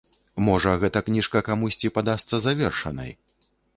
Можа, гэта кніжка камусьці падасца завершанай.